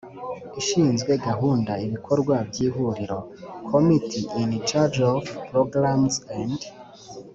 ishinzwe gahunda ibikorwa by Ihuriro Committee in charge of programmes and